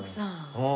ああ。